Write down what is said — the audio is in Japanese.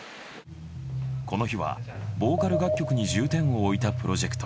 この日はボーカル楽曲に重点を置いたプロジェクト。